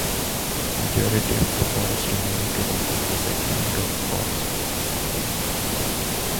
The majority of the forest remaining today is second growth forest.